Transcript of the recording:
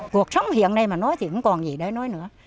cuộc sống hiện nay mà nói thì không còn gì để nói nữa